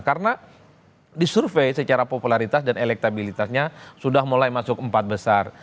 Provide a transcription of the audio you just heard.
karena disurvey secara popularitas dan elektabilitasnya sudah mulai masuk empat besar